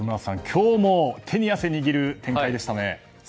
今日も手に汗握る展開でしたね。